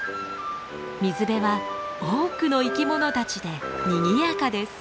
水辺は多くの生き物たちでにぎやかです。